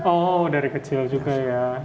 oh dari kecil juga ya